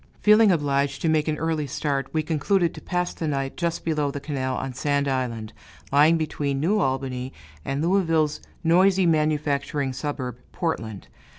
Feeling obliged to make an early start, we concluded to pass the night just below the canal on Sand Island, lying between New Albany and Louisville's noisy manufacturing suburb, Portland.